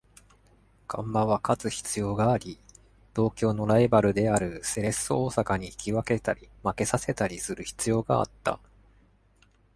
ガンバは勝つ必要があり、同郷のライバルであるセレッソ大阪に引き分けたり負けさせたりする必要があった。